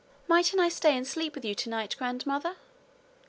'Mightn't I stay and sleep with you tonight, grandmother?'